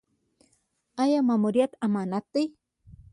آیا ماموریت امانت دی؟